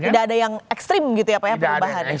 tidak ada yang ekstrim gitu ya pak ya perubahannya